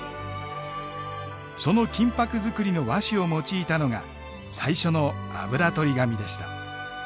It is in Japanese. その金箔作りの和紙を用いたのが最初のあぶらとり紙でした。